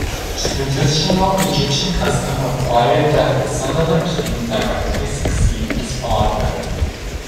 Traditional Egyptian custom required that the son of a king directly succeed his father.